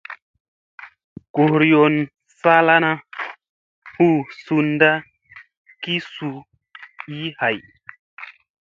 Goriyoŋ salana hu sunda ki su ii ha.